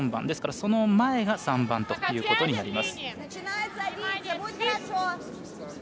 ですからその前が３番ということになります。